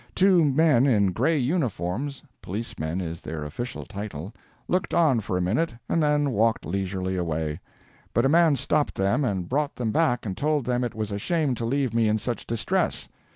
Two men in gray uniforms (policemen is their official title) looked on for a minute and then walked leisurely away. But a man stopped them and brought them back and told them it was a shame to leave me in such distress.